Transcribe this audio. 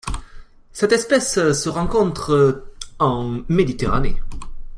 Cette espèce se rencontre en Méditerranée.